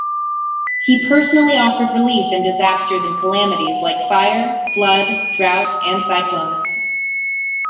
He personally offered relief in disasters and calamities like fire, flood, drought, and cyclones.